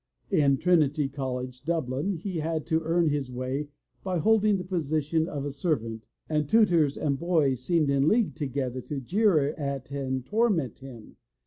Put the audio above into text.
In Trinity College, Dublin, he had to earn his way by holding the position of a servant, and tutors and boys seemed in league together to jeer at and torment him.